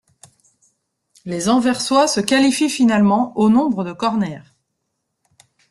Les anversois se qualifient finalement au nombre de corners.